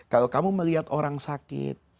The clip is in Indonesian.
kalau kamu melihat orang sakit